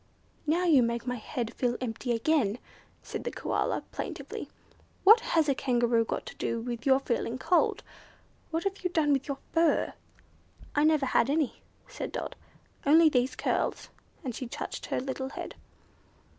"Now you make my head feel empty again," said the Koala, plaintively. "What has a Kangaroo got to do with your feeling cold? What have you done with your fur?" "I never had any," said Dot, "only these curls," and she touched her little head.